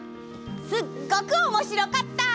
すっごくおもしろかった！